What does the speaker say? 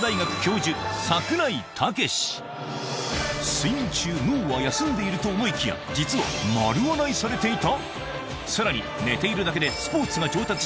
睡眠中脳は休んでいると思いきや実は丸洗いされていた？